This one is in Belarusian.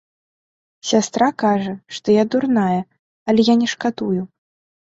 Сястра кажа, што я дурная, але я не шкадую.